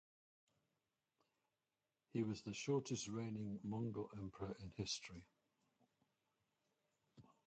He was the shortest-reigning Mongol emperor in history.